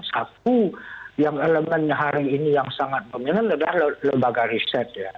satu yang elemennya hari ini yang sangat dominan adalah lembaga riset ya